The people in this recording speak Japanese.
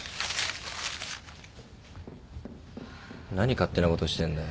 何勝手なことしてんだよ。